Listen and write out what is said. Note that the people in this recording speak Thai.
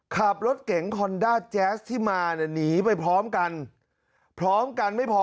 ขับรถเก๋งคอนด้าแจ๊สที่มาเนี่ยหนีไปพร้อมกันพร้อมกันไม่พอ